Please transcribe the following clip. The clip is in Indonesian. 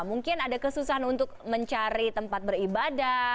mungkin ada kesusahan untuk mencari tempat beribadah